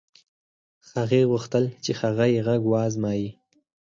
هغې غوښتل چې هغه يې غږ و ازمايي.